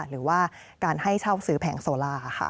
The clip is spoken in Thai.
หรือว่าการให้เช่าซื้อแผงโซล่าค่ะ